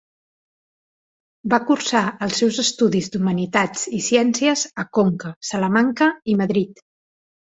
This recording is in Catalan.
Va cursar els seus estudis d'Humanitats i Ciències a Conca, Salamanca i Madrid.